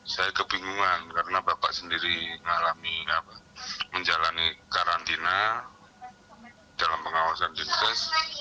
saya kebingungan karena bapak sendiri mengalami menjalani karantina dalam pengawasan dinkes